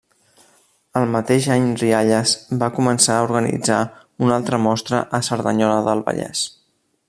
El mateix any Rialles va començar a organitzar una altra mostra a Cerdanyola del Vallès.